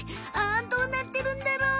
あどうなってるんだろう？